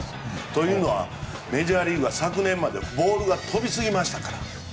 というのはメジャーリーグは昨年までボールが飛びすぎましたから。